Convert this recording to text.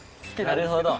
なるほど。